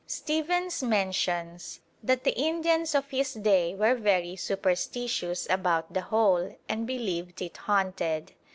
Stephens mentions that the Indians of his day were very superstitious about the hole and believed it haunted.